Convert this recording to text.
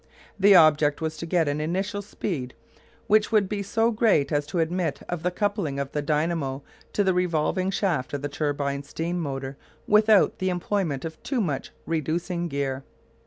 The object was to get an initial speed which would be so great as to admit of the coupling of the dynamo to the revolving shaft of the turbine steam motor, without the employment of too much reducing gear.